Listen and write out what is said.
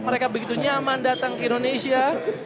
mereka begitu nyaman datang ke indonesia